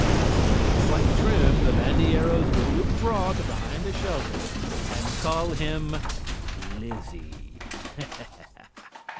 When he is quite trimmed, the bandilleros will withdraw to behind a shelter and call him: "Lizzie!"